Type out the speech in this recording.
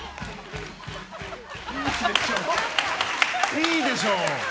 いいでしょ！